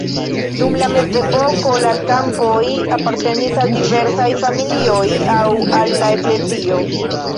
Dum la mezepoko la kampoj apartenis al diversaj familioj aŭ al la eklezio.